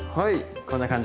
こんな感じで。